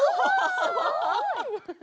すごい！